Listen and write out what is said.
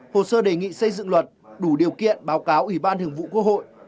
hồ sơ đề nghị xây dựng luật đủ điều kiện báo cáo ủy ban thường vụ quốc hội